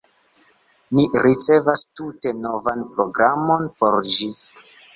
Ni ricevas tute novan programon por ĝi.